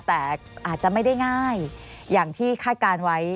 แต่อาจจะไม่ได้ง่ายอย่างที่คาดการณ์ไว้